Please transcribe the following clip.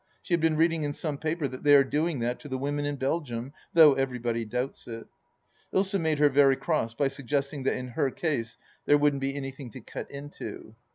She had been reading in some paper that they are doing that to the women in Belgium, though everybody doubts it. ... Ilsa made her very cross by suggesting that in her case there wouldn't be anythiag to cut into.